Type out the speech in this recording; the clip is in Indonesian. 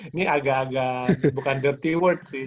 ini agak agak bukan dirty word sih